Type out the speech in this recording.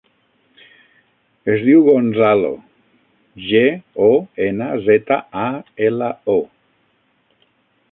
Es diu Gonzalo: ge, o, ena, zeta, a, ela, o.